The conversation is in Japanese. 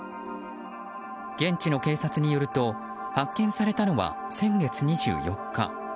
現地の警察によると発見されたのは先月２４日。